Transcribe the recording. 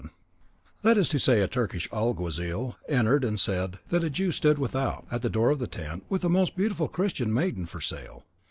Presently a khawass (that is to say, a Turkish alguazil) entered and said that a Jew stood without, at the door of the tent, with a most beautiful Christian maiden for sale.